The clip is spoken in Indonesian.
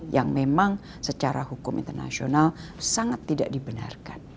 yang memang secara hukum internasional sangat tidak dibenarkan